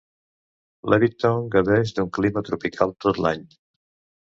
Levittown gaudeix d'un clima tropical tot l'any.